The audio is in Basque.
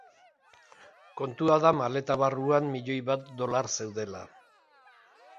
Kontua da maleta barruan milioi bat dolar zeudela.